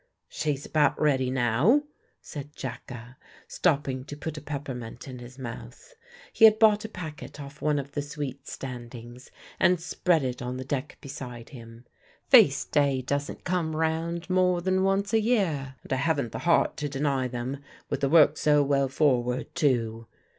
"She's about ready now," said Jacka, stopping to put a peppermint in his mouth. He had bought a packet off one of the sweet standings, and spread it on the deck beside him. "Feast day doesn't come round more than once a year, and I haven't the heart to deny them, with the work so well forward, too."